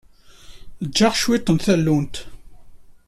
Eg-aɣ cwiṭ n tallunt.